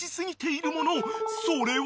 ［それは］